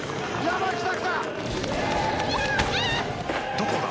・どこだ？